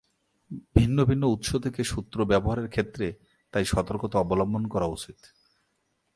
ভিন্ন ভিন্ন উৎস থেকে সূত্র ব্যবহারের ক্ষেত্রে তাই সতর্কতা অবলম্বন করা উচিৎ।